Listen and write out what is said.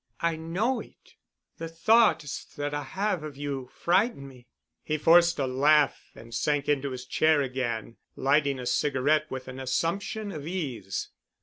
I know it. The thoughts that I have of you frighten me." He forced a laugh and sank into his chair again, lighting a cigarette with an assumption of ease.